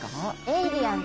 エイリアン！